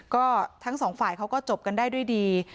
ก็ทั้งสองฝ่ายเขาก็จบกันได้ด้วยดี